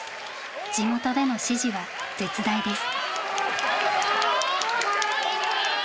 地元での支持は絶大です。